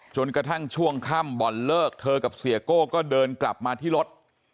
จนกระทั่งช่วงค่ำบ่อนเลิกเธอกับเสียโก้ก็เดินกลับมาที่รถ